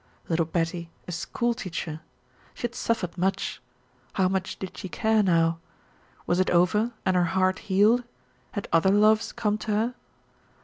Little Betty a school teacher! She had suffered much! How much did she care now? Was it over and her heart healed? Had other loves come to her?